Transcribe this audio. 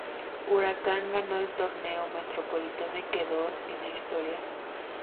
Huracán ganó el Torneo Metropolitano y quedó en la historia.